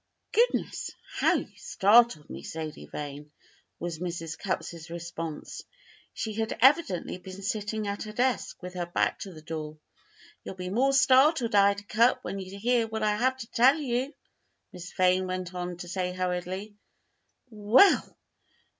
"Goodness! how you startled me, Sadie Vane," was Mrs. Cupp's response. She had evidently been sitting at her desk with her back to the door. "You'll be more startled, Ida Cupp, when you hear what I have to tell you," Miss Vane went on to say hurriedly. "Well!